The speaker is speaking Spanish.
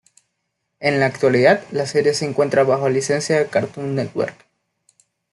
En la actualidad, la serie se encuentra bajo licencia de Cartoon Network.